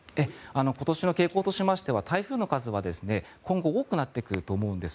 今年の傾向としては台風の数は今後、多くなってくると思うんです。